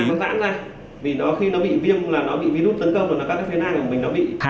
các phê nang có dãn ra vì khi nó bị viêm là nó bị virus tấn công rồi là các phê nang của mình nó bị